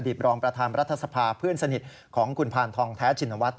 รองประธานรัฐสภาเพื่อนสนิทของคุณพานทองแท้ชินวัฒน